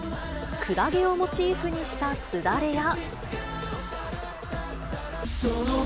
クラゲをモチーフにしたすだれや。